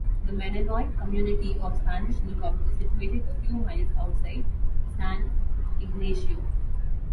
The Mennonite community of Spanish Lookout is situated a few miles outside San Ignacio.